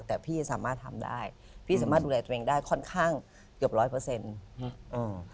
แต่พี่สามารถทำได้พี่สามารถดูแลตัวเองได้ค่อนข้างเกือบร้อยเปอร์เซ็นต์อืมอืม